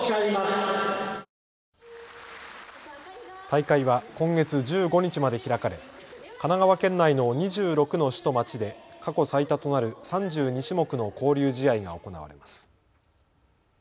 大会は今月１５日まで開かれ神奈川県内の２６の市と町で過去最多となる３２種目の交流試合が行われます。